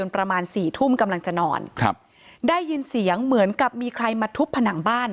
ประมาณสี่ทุ่มกำลังจะนอนครับได้ยินเสียงเหมือนกับมีใครมาทุบผนังบ้าน